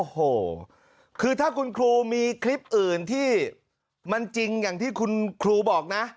โอ้โหคือถ้าคุณครูมีคลิปอื่นที่มันจริงอย่างที่คุณครูบอกนะ